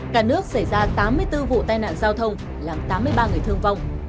cả nước xảy ra tám mươi bốn vụ tai nạn giao thông làm tám mươi ba người thương vong